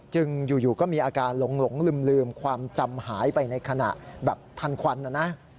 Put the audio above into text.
อยู่ก็มีอาการหลงลืมความจำหายไปในขณะแบบทันควันนะนะ